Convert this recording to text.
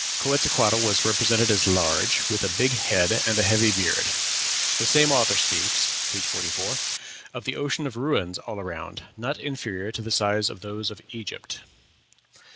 Quetzalcoatl was represented as large, "with a big head and a heavy beard." The same author speaks (page 44) of "the ocean of ruins all around, not inferior in size to those of Egypt."